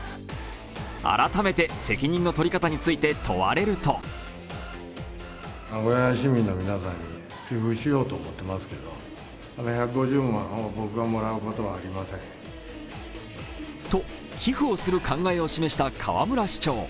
改めて、責任の取り方について問われるとと、寄付をする考えを示した河村市長。